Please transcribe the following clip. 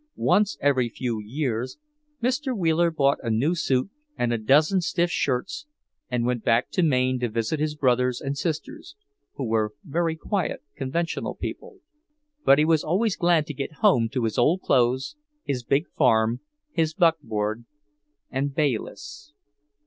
Once every few years, Mr. Wheeler bought a new suit and a dozen stiff shirts and went back to Maine to visit his brothers and sisters, who were very quiet, conventional people. But he was always glad to get home to his old clothes, his big farm, his buckboard, and Bayliss.